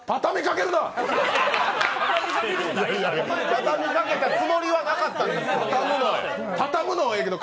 畳みかけたつもりはなかったんですけど。